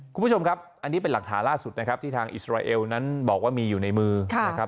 คุณผู้ชมครับอันนี้เป็นหลักฐานล่าสุดนะครับที่ทางอิสราเอลนั้นบอกว่ามีอยู่ในมือนะครับ